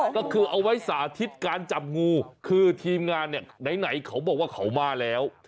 ก็คือเอาไว้สาธิตการจับงูคือทีมงานเนี่ยไหนเขาบอกว่าเขามาแล้ว